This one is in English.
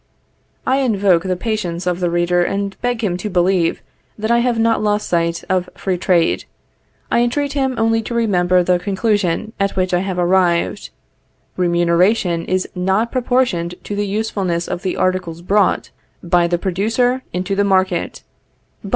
I invoke the patience of the reader, and beg him to believe, that I have not lost sight of free trade: I entreat him only to remember the conclusion at which I have arrived: _Remuneration is not proportioned to the usefulness of the articles brought by the producer into the market, but to the labor_.